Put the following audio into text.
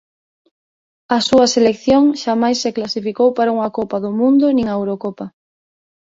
A súa selección xamais se clasificou para unha Copa do Mundo nin a Eurocopa.